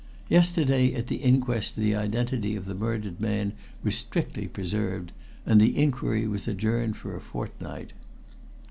Yesterday at the inquest the identity of the murdered man was strictly preserved, and the inquiry was adjourned for a fortnight."